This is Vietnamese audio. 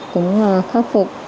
cũng khắc phục